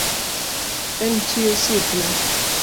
En chi osiepna